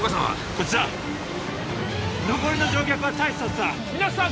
こっちだ残りの乗客は退避させた湊さん